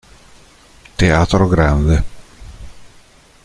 Teatro Grande